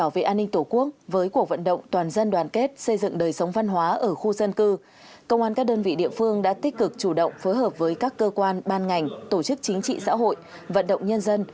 với cuộc vận động toàn dân đoàn kết xây dựng đời sống văn hóa ở khu dân cư công an các đơn vị địa phương đã tích cực chủ động phối hợp với các cơ quan ban ngành tổ chức chính trị xã hội vận động nhân dân